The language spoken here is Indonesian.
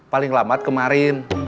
paling lambat kemarin